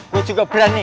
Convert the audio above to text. gue juga berani